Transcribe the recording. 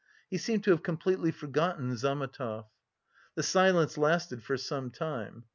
He seemed to have completely forgotten Zametov. The silence lasted for some time.